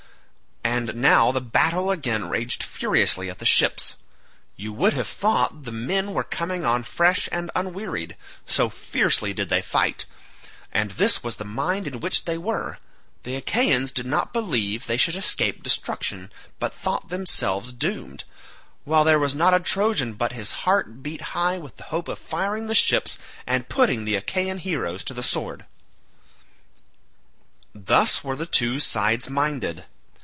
And now the battle again raged furiously at the ships. You would have thought the men were coming on fresh and unwearied, so fiercely did they fight; and this was the mind in which they were—the Achaeans did not believe they should escape destruction but thought themselves doomed, while there was not a Trojan but his heart beat high with the hope of firing the ships and putting the Achaean heroes to the sword. Thus were the two sides minded.